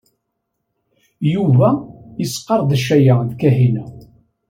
Yuba yesqerdec aya d Kahina.